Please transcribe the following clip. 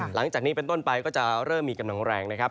หลังจากนี้เป็นต้นไปก็จะเริ่มมีกำลังแรงนะครับ